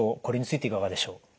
これについていかがでしょう？